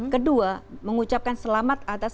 kedua mengucapkan selamat atas